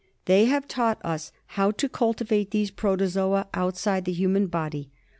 They have taught us how to cultivate these protozoa outside the animal body.